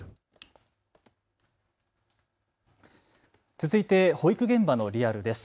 続いて保育現場のリアルです。